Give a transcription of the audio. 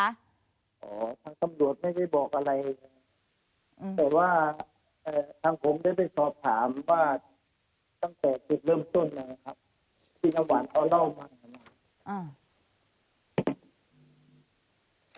ทางตำรวจไม่ได้บอกอะไรอืมแต่ว่าเอ่อทางผมได้ไปสอบถามว่าตั้งแต่จุดเริ่มต้นนะครับที่น้ำหวานเขาเล่ามานะครับ